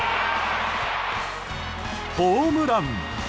ホームラン。